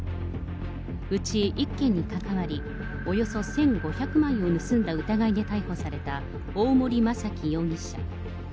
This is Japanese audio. うち１件に関わり、およそ１５００枚を盗んだ疑いで逮捕された大森正樹容疑者。